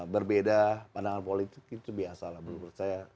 berbeda pandangan politik itu biasa lah menurut saya